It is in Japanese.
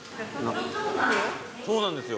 そうなんですよ